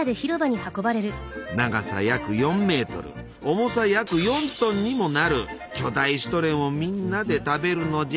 長さ約４メートル重さ約４トンにもなる巨大シュトレンをみんなで食べるのじゃ。